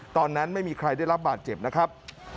ตอนนั้นไม่มีใครได้รับบาดเจ็บนะครับ